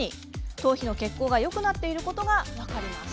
頭皮の血行がよくなっていることが分かります。